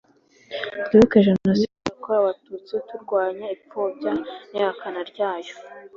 twibuke jenoside yakorewe abatutsi turwanya ipfobya n ihakana ryayo